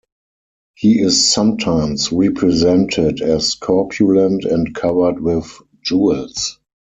He is sometimes represented as corpulent and covered with jewels.